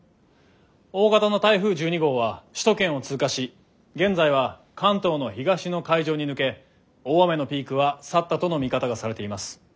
大型の台風１２号は首都圏を通過し現在は関東の東の海上に抜け大雨のピークは去ったとの見方がされています。